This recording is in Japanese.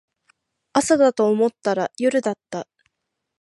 朝だと思ったら夜だった